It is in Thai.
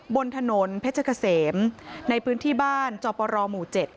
บนถนนเพชรเกษมในพื้นที่บ้านจอปรหมู่๗